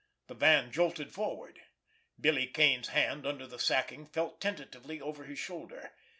The van jolted forward. Billy Kane's hand, under the sacking, felt tentatively over his shoulder.